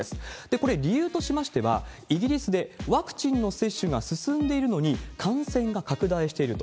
これ、理由としましては、イギリスでワクチンの接種が進んでいるのに、感染が拡大していると。